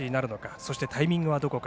そして、タイミングはどこか。